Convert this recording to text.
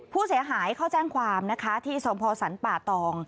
ผู้เสียหายเขาแจ้งความนะคะที่สมพสรรป่าตอง